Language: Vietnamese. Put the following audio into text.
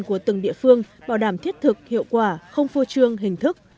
của từng địa phương bảo đảm thiết thực hiệu quả không phô trương hình thức